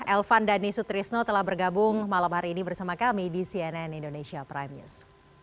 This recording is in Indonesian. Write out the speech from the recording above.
elvan dhani sutrisno telah bergabung malam hari ini bersama kami di cnn indonesia prime news